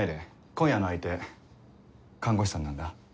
今夜の相手看護師さんなんだ。